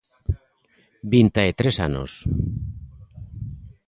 Vinta e tres anos.